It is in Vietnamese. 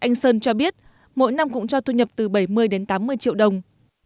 anh sơn cho biết mỗi năm cũng cho thu nhập từ bảy mươi đến tám mươi triệu đồng